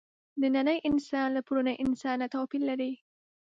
نننی انسان له پروني انسانه توپیر لري.